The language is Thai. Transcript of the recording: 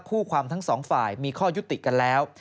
คู่ความทั้งสองฝ่ายมีข้อยุติกันแล้ว